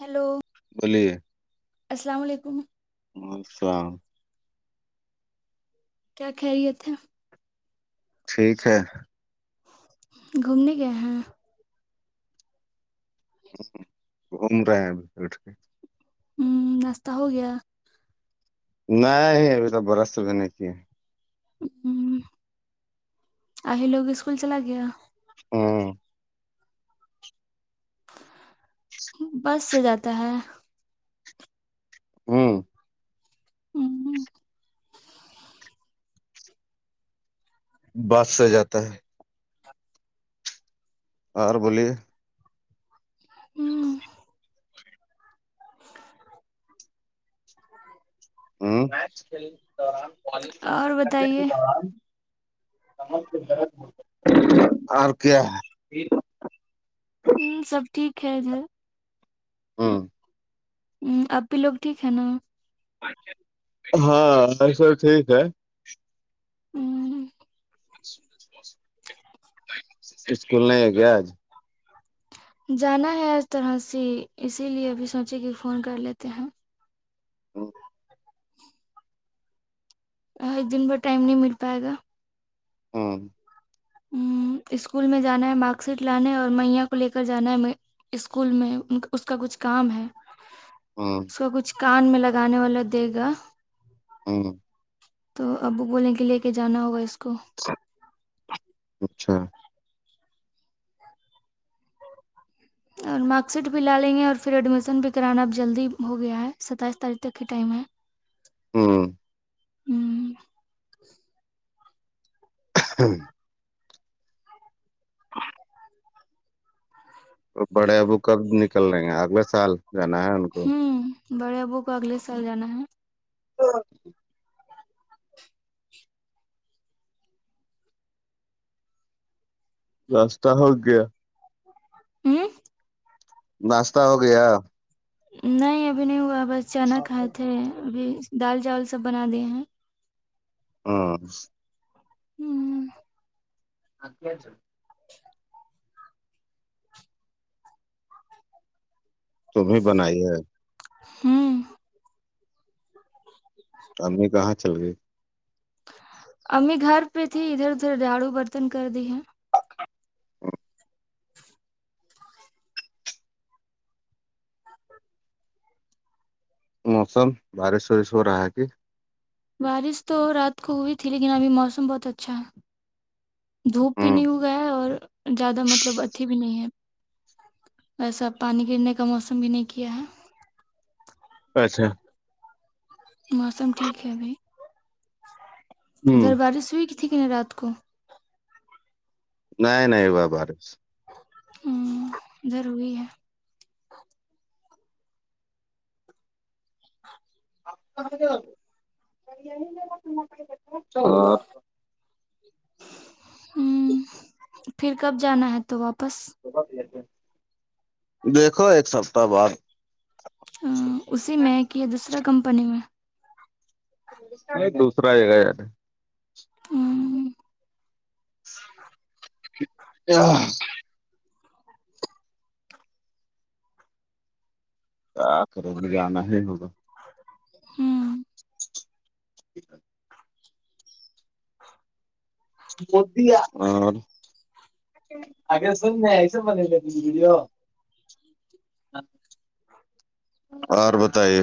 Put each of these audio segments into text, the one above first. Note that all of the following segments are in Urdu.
ہیلو بولیے السلام علیکم سلام کیا خیریت ا تھے ٹھیک ہے گھومنے گئے ہیں گھوم رہے ہیں اب اٹھ کے ہوں ناشہ ہو گیا نہیں ا تو برا سو بھی نہیں چاہے اہل ا لوگ اسکول چلا گیا ہاں بس سے جاتا ہے ہاں ہوں ہ بس سے جاتا ہے اور بولیے ہوں [unintelligible] ہ میچ کھیلنے کے دوران بالگ اور کرنے کے بتائیے دوران اور کیا ہے ہوں سب ٹھیک ہے ادھر ہاں ہ اپی لوگ ٹھیک ہے نا ہاں ا س ٹھیک ہے ہوں جچ [inaudible] اسکول نہیں ہے کیا آج جانا ہے اس طرح سے اسی لیے اب سوچے کہ فون کر لیتے ہیں ہ ایک دن ب ٹائم نہیں مل پائے گا ہوں اسکول میں جانا ہے مارک شیٹ لانا ہے اور میا کو لے کر جانا ہے اسکول میں اس کا کچھ کام ہے ہوں اس کو کچھ کان میں لگانے والا دے گا ہوں تو ابو بولیں کے لے کے جانا ہوگا اس کو اچھا اور مارک شیٹ بھی لا لیں گے اور پھر ایڈمیشن بھی کرانا اب جلدی ہو گیا ہے ستائیس تاریخ تک کی ٹائم ہے [inaudible] ہوں ہوں ہاں ہ [inaudible] تو بڑے ابو کب نکل رہے ہیں اگلے سال جانا ہے ان کو ہوں بڑے ابو کو اگلے سال جانا ہے ہاں رستہ ہوگ گیا ہوں ناشتہ ہو گیا نہیں ابھی نہیں ہوا بس اچانک کھائے تھے ابھی دال چاول سب بنا دیے ہیں ہ ہوں آ کیا جو تم بھی بنائی ہے ہوں چ ہممی کہاں چل گئے امی گھر پہ تھی ادھر ادھر جھاڑو برتن کر دی ہے موسم بارش وارش ہو رہا ہے کی بارش تو رات کو ہوئی تھی لیکن ابھی موسم بہت اچھا ہے دھوپ بھی ہوں نہیں ہوگا ہے اور زیادہ مطلب اچھی بھی نہیں ہے اییسا ا پانی گرنے کا موسم بھی نہیں کیا ہے اچھا موسم ٹھیک ہے بھائی ہوں ادھر بارش ہوئی کی تھی ک نہیں رات کو نہیں نہیں ب بار ہوں ضروری ہے ہاں ا [inaudible] پھر کب جانا ہے تو واپس دیکھو ایک سپتح بعد ا اسی میںیک یا دوسرے کمپنی میں دوسرا ہے گا یار ہمم [inaudible] کیا کرے اج جانا ہی ہوگا ہمم [inaudible] اور اگر سننے ایسے بنے گا ویڈیو [inaudible] اور بتائیے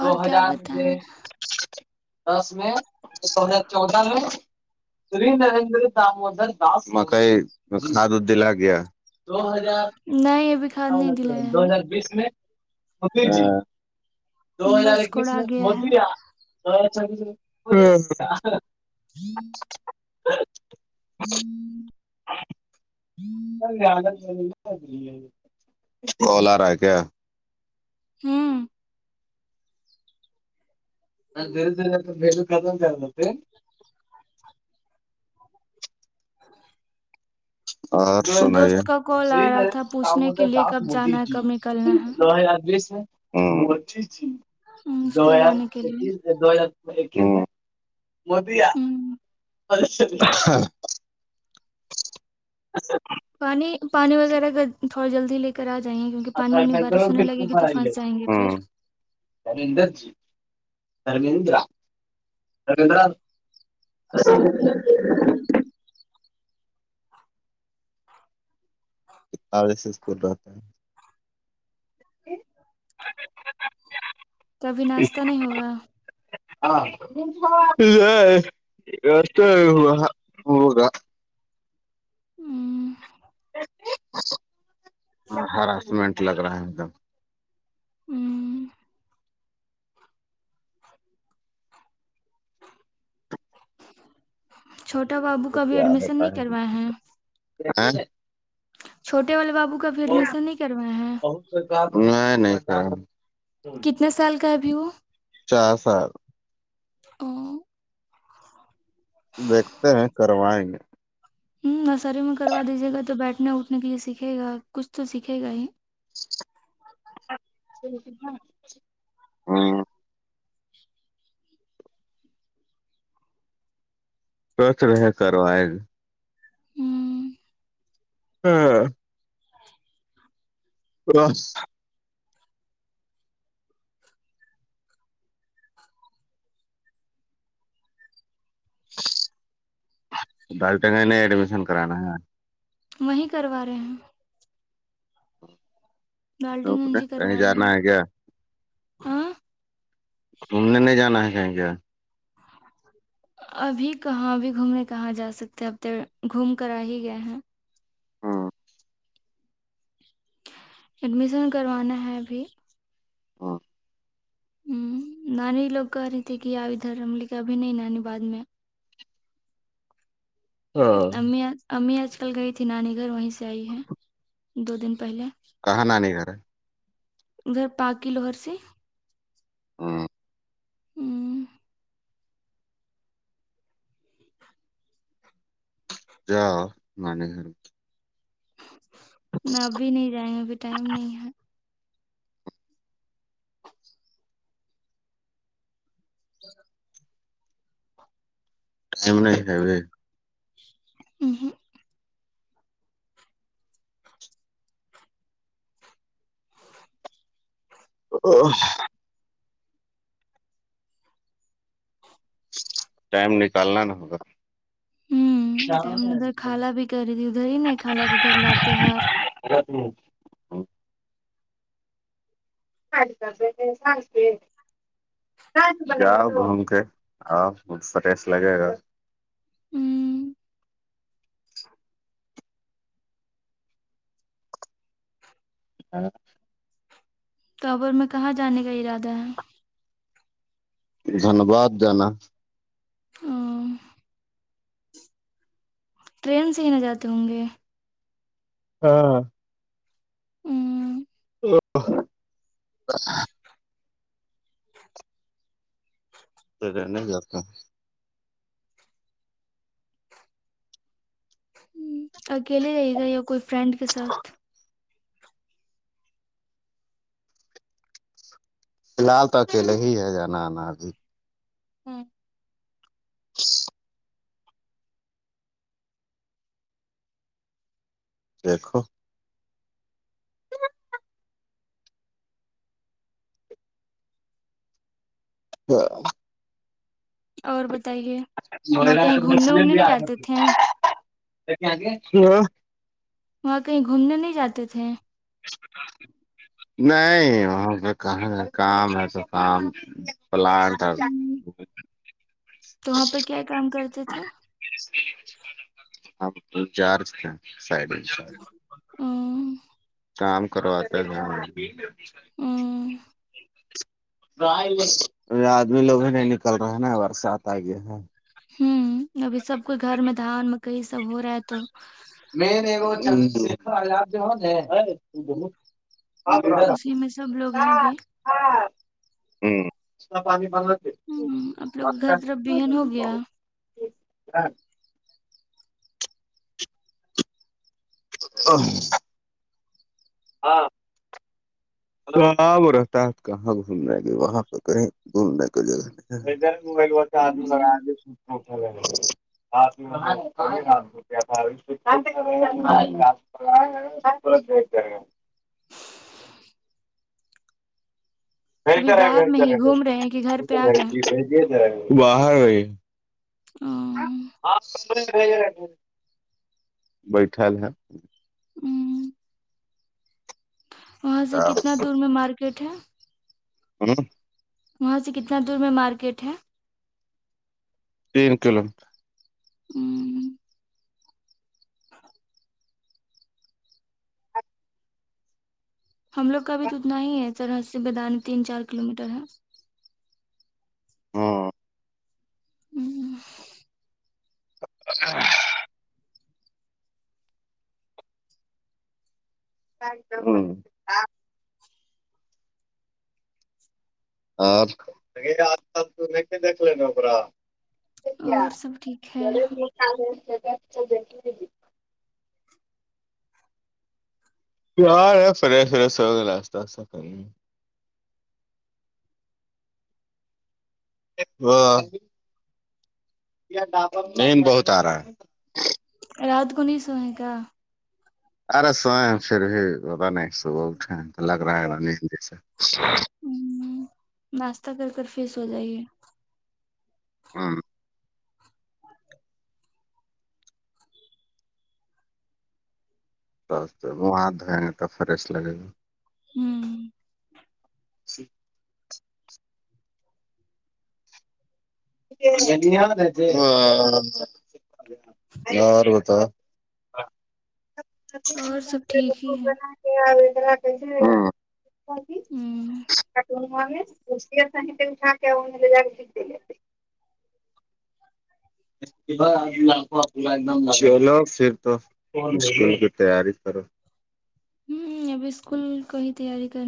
دو اور کیا ہزار بتائیں دس میں دو ہزار چودہ میں مکئی اس کا تو دل اگیا نہیں ابھی کھاد نہیں دلایا ہاں ہے بس کوڑا گیا ہے ہمم [inaudible] [inaudible] [inaudible] کال ارہا ہے کیا ہمم [unintelligible] [inaudible] اور سنائیے دوست کا کال آ رہا تھا پوچھنے ہممم کے لیے کب جانا ہے کب نکلنا ہے اسکول جانے کے لیے ہمم [inaudible] پانی پانی وغیرہ کا تھوڑا جلدی لے کر اجائیں کیونکہ پانی وانی بارش ہونے لگے گی تو پھنس جائیں گے پھر [unintelligible] [unintelligible] [unintelligible] [inaudible] تبھی ناشتہ نہیں ہوگا [unintelligible] ہمم ہراس منٹ لگ رہا ہے ایک دم ہمم چھوٹا بابو کا بھی ایڈمیشن نہیں کروائے ہیں ہا چھوٹے والے بابو کا ابھی ایڈمیشن نہیں کروائے ہیں نہیں نہیں کرائے کتنے سال کا ہے ابھی وہ چار سال او او دیکھتے ہیں کروائیں گے نرسری میں کروا دیجیے گا تو بیٹھنے اٹھنے کے لیے سیکھے گا کچھ تو سیکھے گا ہی ہمم سوچ رہے کروائے ہمم [unintelligible] [inaudible] رس ڈالٹگ نے ایڈمیشن کرانا ہے وہیں کروا رہے ہیں بیلڈنگ ایجی کہیں کروا رہے جانا نا ہے کیا ہاں گومنے نہیں جانا ہے کہیں کیا ابھی کہاں اب بھی گھومنے کہاں جا سکتے ہیں اب ت گھوم کر آ ہی گئے ہیں ہاں ایڈمیشن کروانا ہے ابھی ہاں ہ نانی لوگ کہہ رہی تھھی کہ آ ادھر ہم لےیک ابھی نہیں نانی بع میں ہاں امی امی آج کل گئی تھی نانی گھر وہیں سے آئی ہے دو دن پہلے کہان نہیں کر رہ ہے ادھر پا کی لوہر سے [inaudible] ہوں جاؤ ماں کے گھر نہ ابھی نہیں جائیں گے ابھی ٹائم نہیں ہے [inaudible] [inaudible] [unintelligible] اوہوں او ٹائم نکالنا نہ ہوگا ہوں جاؤ ادھر خالا بھی کہ رہی ادھر ہی نے ہے خالا کا گھر لاتیہار [inaudible] [unintelligible] جاؤ گھوم کے آؤ بہت فریش لگے گا ہوں ہاں توابر میں کہاں جانے کا ارادہ ہے دھنباد جانا [inaudible] ٹرین سے ہی نہ جاتے ہوں گے ہاں ہوں [inaudible] تو رہ نہیں جاتا اکیلے رہے گا یا کوئی فرینڈ کے ساتھ فی الحال تو اکیلے ہی ہے جانا آنا جی ہاں [inaudible] دیکھو تو اور بتائیے وہاں کہیں گھومنے وومنے نہیں جاتے تھے [unintelligible] وہاں کہیں گھومنے نہیں جاتے تھے نہیں وہاں پہ کہاں ہے کام ہے تو کام پلانٹر ہم، تو وہاں پہ کیا کام کرتے تھے ہم ایچ ار سائڈچار ہ کام کرواتا ہے گاوں میں ہوں [inaudible] آدمی لوگ نہیں نکل رہاہے نا برسات آ گیا ہے ہوں ابھی سب کوئی گھر میں دھان مکئی سب ہو رہا ہے تو [unintelligible] اسی میں سب لوگ ہیں ابھی ہاں اس کا پانی بن آپ لوگ کے گھر طرف بیہن ہو گیا دھان [unintelligible] [unintelligible] ہاں وہ رہتا ہے کہاں گھومنے کے وہاں پہ کہیں گھومنے کی جگہ مبائل و آد لگا ہوں، س آ [unintelligible] [unintelligible] ابھی بہتر ہے باہر میں بہتر ہی ہے بر گھوم رہے ہیں کہ گھر پہ آ گئے توجج باہر ہاں بیٹھل ہے ہوں وہاں سے کتنا دور میں مارکیٹ ہے بےا [inaudible] وہاں سے کتنا دور میں مارکیٹ ہے تین کلو میٹر ہوں [inaudible] ہم لوگ کا بھی تو اتنا ہی ہے سر ہ سے بیدانی تین چار کلو میٹر ہے ہوں ہوں ہو ں آجال تو دلے ن اا [unintelligible] اور سب ٹھیک ہے گے [unintelligible] پیار ہے فریش فریش سلااستا س ک [unintelligible] و [unintelligible] چین بہت آ رہا ہے کل رات کو نہیں سوئے گا ارے سویں پھر بھی پتا نہیں صبح اٹھے تو لگ رہا ہے جی سے ہ ناشتہ کر کر فی سو جائیے ہاں سب سے وہ ہاتھ دوئیں گے توب فریش لگے گا ہوں جی [inaudible] ن [unintelligible] اور بتاؤ ہو ں اور سب ٹھیک ہی ہے ہم نہی ہوں [unintelligible] ںٹا کے وہ ان ل جا و اپ ایک دم لو پھر تو [unintelligible] اسکول کی تیاری کرو ہوں ہ ابھی اسکول کو ہی تیاری کرنی